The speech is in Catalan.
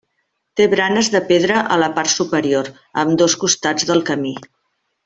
Té baranes de pedra a la part superior, a ambdós costats del camí.